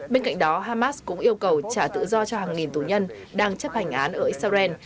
bên cạnh đó hamas cũng yêu cầu trả tự do cho hàng nghìn tù nhân đang chấp hành án ở israel